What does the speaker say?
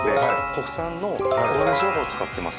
国産の黄金しょうがを使ってます。